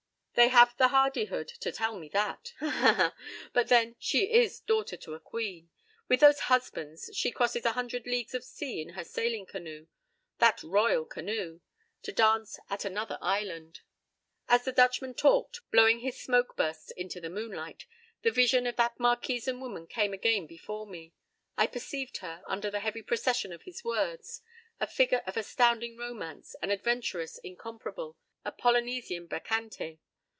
They have the hardihood to tell me that. Ha ha ha! But, then, she is daughter to a queen. With those 'husbands' she crosses a hundred leagues of sea in her sailing canoe. That royal canoe! To dance at another island.—" As the Dutchman talked, blowing his smoke bursts into the moonlight, the vision of that Marquesan woman came again before me. I perceived her, under the heavy procession of his words, a figure of astounding romance, an adventuress incomparable, a Polynesian bacchante.